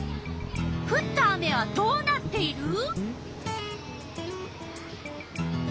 ふった雨はどうなっている？